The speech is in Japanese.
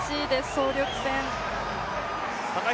総力戦。